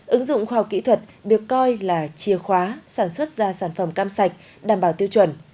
ứng dụng khoa học kỹ thuật được coi là chia khóa sản xuất ra sản phẩm cam sạch đảm bảo tiêu chuẩn